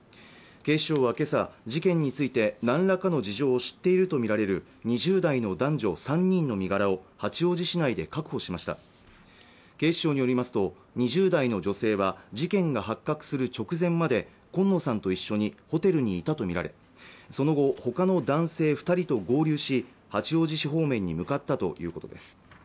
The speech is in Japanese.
警視庁は今朝事件について何らかの事情を知っているとみられる２０代の男女３人の身柄を八王子市内で確保しました警視庁によりますと２０代の女性は事件が発覚する直前まで今野さんと一緒にホテルにいたと見られその後ほかの男性二人と合流し八王子市方面に向かったということです